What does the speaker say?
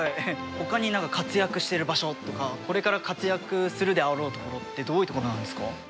ほかに何か活躍してる場所とかこれから活躍するであろう所ってどういう所なんですか？